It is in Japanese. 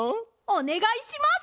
おねがいします！